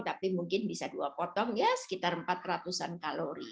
tapi mungkin bisa dua potong ya sekitar empat ratus an kalori